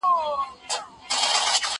زه به سبا درسونه لوستل کوم،